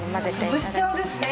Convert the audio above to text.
潰しちゃうんですね。